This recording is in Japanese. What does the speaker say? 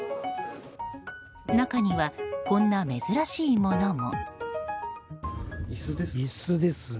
中にはこんな珍しいものも。